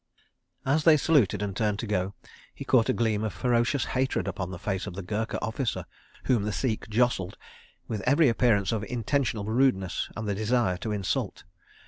As they saluted and turned to go, he caught a gleam of ferocious hatred upon the face of the Gurkha officer whom the Sikh jostled, with every appearance of intentional rudeness and the desire to insult.